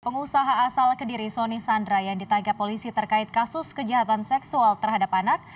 pengusaha asal kediri soni sandra yang ditangkap polisi terkait kasus kejahatan seksual terhadap anak